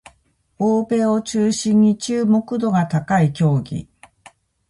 欧米を中心に注目度が高い競技